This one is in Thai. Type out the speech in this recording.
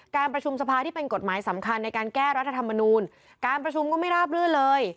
การประชุมสภาที่เป็นกฎหมายสำคัญในการแก้รัฐธรรมนูลการประชุมก็ไม่ราบลื่นเลย